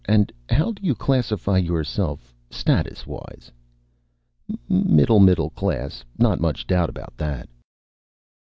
And how do you classify yourself statuswise?" "Middle middle class. Not much doubt about that."